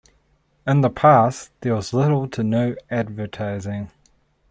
In the past, there was little to no advertising.